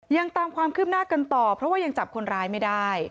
ยังตามความคืบหน้ากันต่อเพราะว่ายังจับคนร้ายไม่ได้